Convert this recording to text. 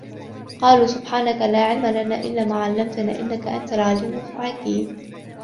قَالُوا سُبْحَانَكَ لَا عِلْمَ لَنَا إِلَّا مَا عَلَّمْتَنَا ۖ إِنَّكَ أَنْتَ الْعَلِيمُ الْحَكِيمُ